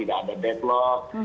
tidak ada deadlock